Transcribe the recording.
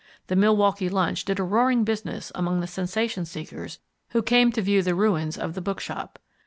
The Milwaukee Lunch did a roaring business among the sensation seekers who came to view the ruins of the bookshop.